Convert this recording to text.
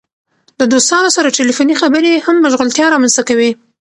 د دوستانو سره ټیلیفوني خبرې هم مشغولتیا رامنځته کوي.